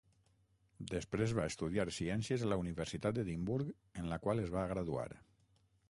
Després va estudiar ciències a la universitat d'Edimburg en la qual es va graduar.